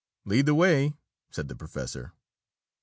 "Lead the way!" said the professor.